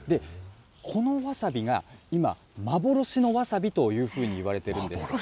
このわさびが今、幻のわさびというふうにいわれてるんです。